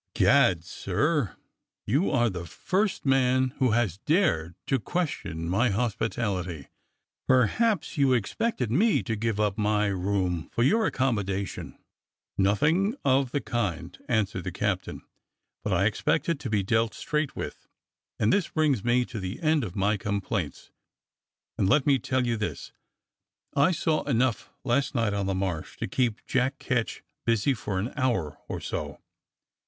'* "Gad! sir, you are the first man who has dared to question my hospitality. Perhaps you expected me to give up my room for your accommodation." *' Nothing of the kind," answered the captain, "but I expected to be dealt straight with. And this brings me to the end of my complaints, and let me tell you this: I saw enough last night on the Marsh to keep Jack Ketch busy for an hour or so.